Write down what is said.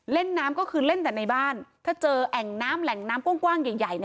เล่นน้ำก็คือเล่นแต่ในบ้านถ้าเจอแอ่งน้ำแหล่งน้ำกว้างใหญ่